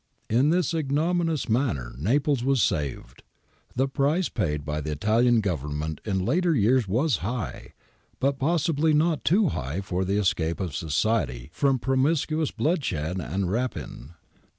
In this ignominious manner Naples was saved. The price paid by the Italian Government in later years was high, but possibly not too high for the escape of society from promiscuous bloodshed and rapine.